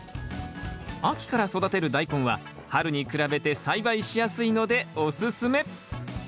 秋から育てるダイコンは春に比べて栽培しやすいのでおすすめ。